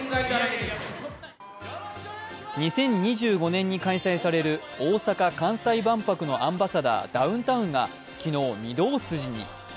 ２０２５年に開催される大阪・関西万博のアンバサダー、ダウンタウンが昨日、御堂筋に。